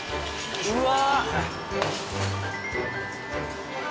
うわ！